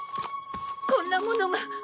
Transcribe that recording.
こんなものが。